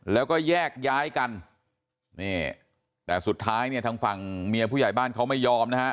แล้วก็แยกย้ายกันนี่แต่สุดท้ายเนี่ยทางฝั่งเมียผู้ใหญ่บ้านเขาไม่ยอมนะฮะ